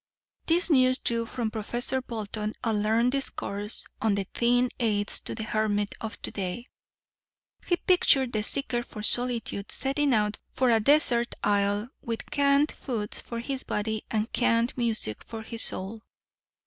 This news drew from Professor Bolton a learned discourse on the tinned aids to the hermit of to day. He pictured the seeker for solitude setting out for a desert isle, with canned foods for his body and canned music for his soul.